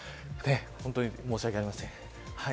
本当に申しわけありません。